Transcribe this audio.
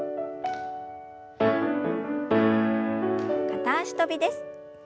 片脚跳びです。